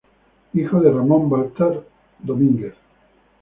Hijo de Ramón Baltar Domínguez.